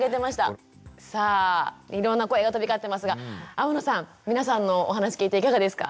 さあいろんな声が飛び交ってますが天野さん皆さんのお話聞いていかがですか？